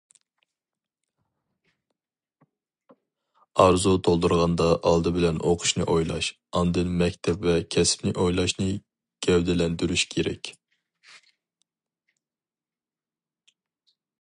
ئارزۇ تولدۇرغاندا ئالدى بىلەن ئوقۇشنى ئويلاش، ئاندىن مەكتەپ ۋە كەسىپنى ئويلاشنى گەۋدىلەندۈرۈش كېرەك.